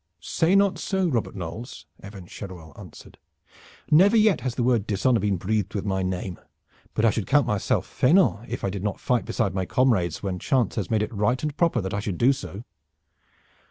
"Say not so, Robert Knolles," Evan Cheruel answered. "Never yet has the word dishonor been breathed with my name, but I should count myself faineant if I did not fight beside my comrades when chance has made it right and proper that I should do so."